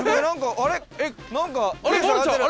あれ？